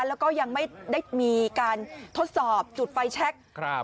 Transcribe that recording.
แล้วก็ยังไม่ได้มีการทดสอบจุดไฟแชค